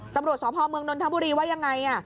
ตำรวจสพเมืองนนทบุรีว่ายังไง